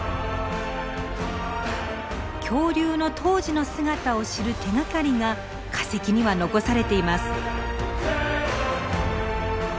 恐竜の当時の姿を知る手がかりが化石には残されています。